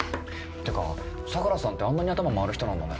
てか相良さんってあんなに頭回る人なんだね。